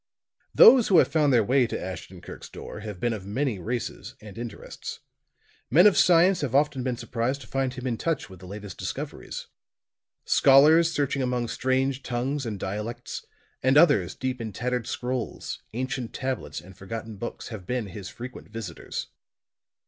Those who have found their way to Ashton Kirk's door have been of many races and interests. Men of science have often been surprised to find him in touch with the latest discoveries, scholars searching among strange tongues and dialects, and others deep in tattered scrolls, ancient tablets and forgotten books have been his frequent visitors.